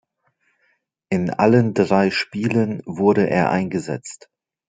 In allen drei Spielen wurde er eingesetzt.